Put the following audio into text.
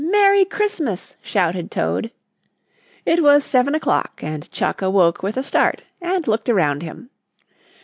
Merry Christmas!" shouted Toad. It was seven o'clock and Chuck awoke with a start and looked around him.